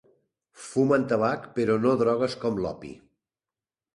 Fumen tabac però no drogues com l'opi.